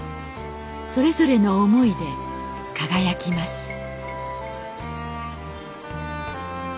それぞれの思いで輝きます